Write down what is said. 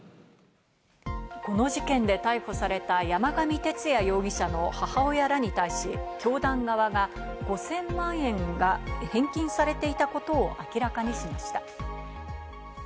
この事件で逮捕された山上徹也容疑者の母親らに対し、教団側が５０００万円が返金されていたことを明らかにしました。